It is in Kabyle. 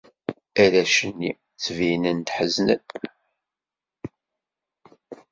Arrac-nni ttbinen-d ḥeznen.